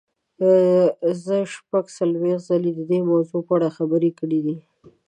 زه شپږ څلوېښت ځلې د دې موضوع په اړه خبرې کړې دي.